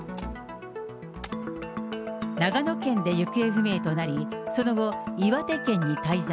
長野県で行方不明となり、その後、岩手県に滞在。